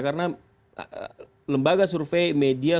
karena lembaga survei media